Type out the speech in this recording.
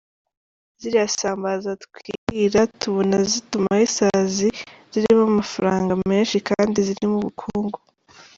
Ziriya sambaza twirirwa tubona zitumaho isazi zirimo amafarnga menshi kandi zirimo ubukungu.